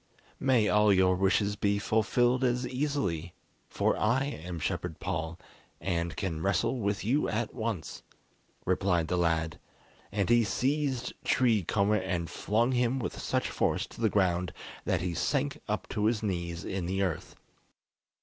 "May all your wishes be fulfilled as easily, for I am Shepherd Paul, and can wrestle with you at once," replied the lad; and he seized Tree Comber and flung him with such force to the ground that he sank up to his knees in the earth.